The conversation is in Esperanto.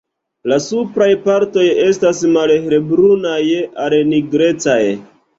La supraj partoj estas malhelbrunaj al nigrecaj.